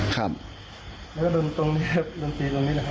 ครับแล้วก็ลงตรงนี้ครับลงตรงนี้นะครับ